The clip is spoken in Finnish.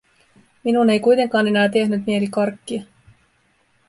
Minun ei kuitenkaan enää tehnyt mieli karkkia.